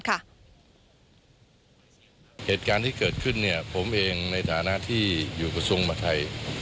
เหตุการณ์ที่เกิดขึ้นเนี่ยผมเองในฐานะที่อยู่กระทรวงมหาทัย